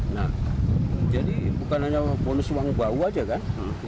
nah jadi bukan hanya bonus uang bau aja kan